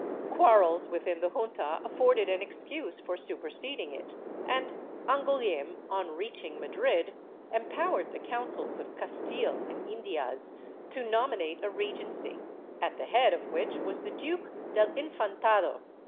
Quarrels within the Junta afforded an excuse for superseding it, and Angouleme, on reaching Madrid, empowered the Councils of Castile and Indias to nominate a Regency, at the head of which was the Duke del Infantado.